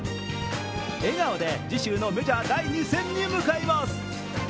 笑顔で次週のメジャー第２戦に向かいます。